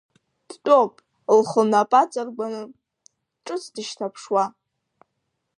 Дтәоуп, лхы лнапы аҵаргәаны, ҿыцха дышьҭаԥшуа.